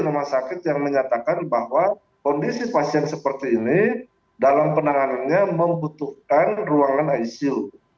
rumah sakit yang menyatakan bahwa kondisi pasien seperti ini dalam penanganannya membutuhkan ruangan icu